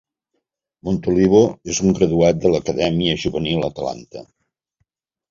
Montolivo és un graduat de l'acadèmia juvenil Atalanta.